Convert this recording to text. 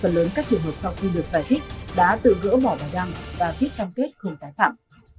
phần lớn các trường hợp sau khi được giải thích đã tự gỡ bỏ bài đăng và viết cam kết không tái phạm